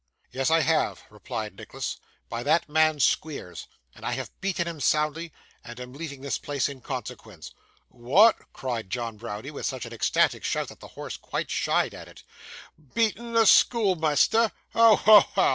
'Yes, I have,' replied Nicholas, 'by that man Squeers, and I have beaten him soundly, and am leaving this place in consequence.' 'What!' cried John Browdie, with such an ecstatic shout, that the horse quite shied at it. 'Beatten the schoolmeasther! Ho! ho! ho!